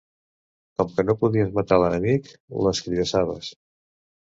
Com que no podies matar l'enemic, l'escridassaves